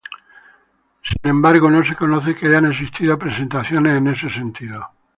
Sin embargo, no se conoce que hayan existido presentaciones en ese sentido.